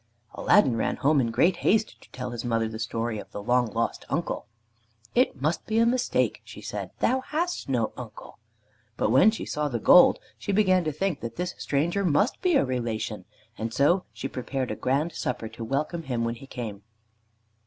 Aladdin ran home in great haste to tell his mother the story of the long lost uncle. "It must be a mistake," she said, "thou hast no uncle." But when she saw the gold she began to think that this stranger must be a relation, and so she prepared a grand supper to welcome him when he came.